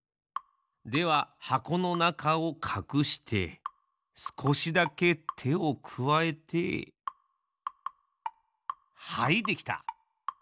では箱のなかをかくしてすこしだけてをくわえてはいできた！